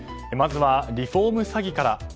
まずは、リフォーム詐欺から。